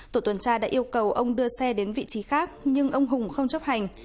tổ tuần tra đã yêu cầu ông đưa xe đến vị trí khác nhưng ông hùng không chấp hành